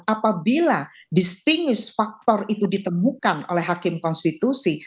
apabila faktor yang ditemukan oleh hakim konstitusi